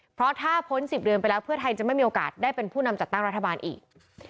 เพราะถ้าพ้น๑๐เดือนไปแล้วเพื่อไทยจะไม่มีโอกาสได้เป็นผู้นำจัดตั้งรัฐบาลอีก